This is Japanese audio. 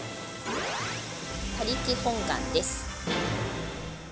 他力本願です。